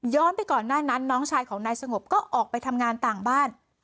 ไปก่อนหน้านั้นน้องชายของนายสงบก็ออกไปทำงานต่างบ้าน